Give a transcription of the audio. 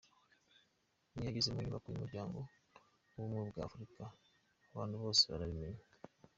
N’iyo ageze mu nyubako y’Umuryango w’Ubumwe bwa Afurika abantu bose barabimenya.